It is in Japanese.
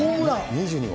２２号？